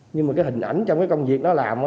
nhưng mà cái hình ảnh trong cái công việc nó làm